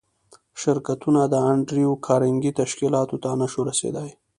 شرکتونه د انډریو کارنګي تشکیلاتو ته نشوای رسېدای